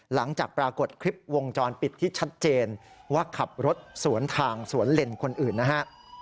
หลังจากปรากฏคลิปวงจรปิดที่ชัดเจนว่าขับรถสวนทางสวนเล่นคนอื่นนะฮะ